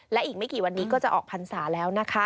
และอีกไม่กี่วันนี้ก็จะออกพรรษาแล้วนะคะ